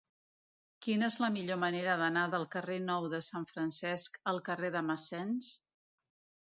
Quina és la millor manera d'anar del carrer Nou de Sant Francesc al carrer de Massens?